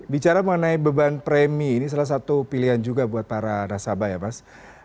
bicara mengenai beban premi ini salah satu pilihan juga buat para nasabah ya mas